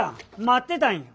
待ってたんや。